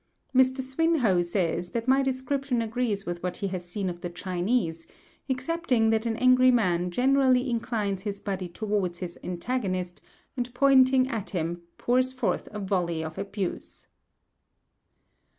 Mr. Swinhoe says that my description agrees with what he has seen of the Chinese, excepting that an angry man generally inclines his body towards his antagonist, and pointing at him, pours forth a volley of abuse.